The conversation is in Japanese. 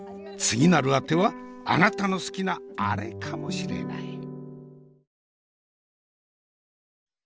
次なるあてはあなたの好きなアレかもしれない。